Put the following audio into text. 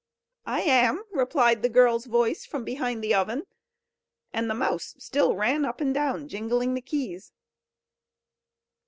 "I am," replied the girl's voice from behind the oven; and the mouse still ran up and down, jingling the keys.